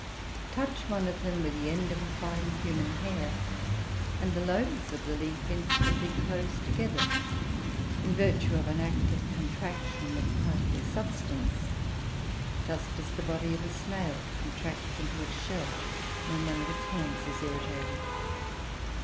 Touch one of them with the end of a fine human hair and the lobes of the leaf instantly close together in virtue of an act of contraction of part of their substance, just as the body of a snail contracts into its shell when one of its "horns" is irritated.